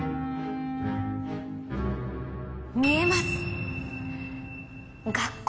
見えます！